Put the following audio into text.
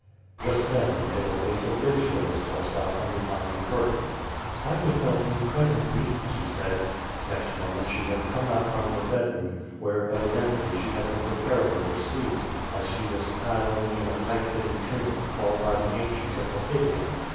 Just then the pale face of Lygia was thrust out from behind the curtain. "I will help you presently/' she said. Next moment she had come out from the bedroom, where evidently she had been preparing for sleep, as she was clad only in a tight fitting tunic called by the ancients a capitium.